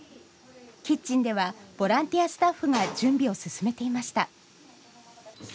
キッチンではボランティアスタッフが準備を進めていました。